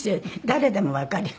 誰でもわかる。